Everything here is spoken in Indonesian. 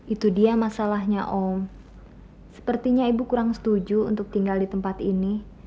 itu dia masalahnya om sepertinya ibu kurang setuju untuk tinggal di tempat ini